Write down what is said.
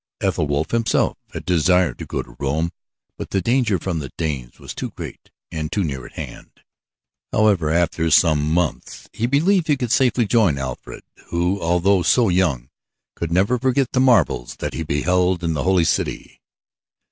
Ethelwulf himself had desired to go to Rome, but the danger from the Danes was too great and too near at hand. However, after some months he believed he could safely join Alfred, who, although so young, could never forget the marvels that he beheld in the Holy City.